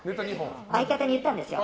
相方に言ったんですよ。